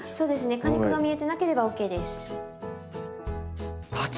果肉が見えてなければＯＫです。